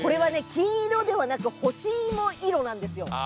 金色ではなくほしいも色なんですよ。